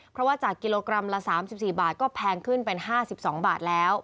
เพราะว่าจากกิโลกรัมละ๓๔บาทก็แพงขึ้นเป็น๕๒บาทแล้ว